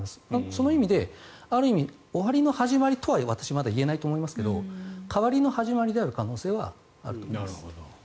その意味で、ある意味終わりの始まりとは私、まだ言えないとは思いますが変わりの始まりである可能性はあると思います。